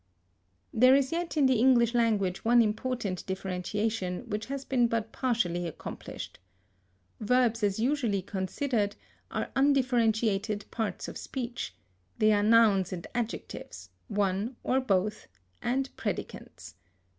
There is yet in the English language one important differentiation which has been but partially accomplished. Verbs as usually considered are undifferentiated parts of speech; they are nouns and adjectives, one or both, and predicants.